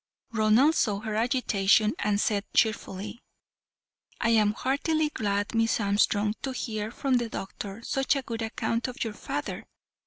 Ronald saw her agitation, and said cheerfully: "I am heartily glad, Miss Armstrong, to hear from the doctor such a good account of your father.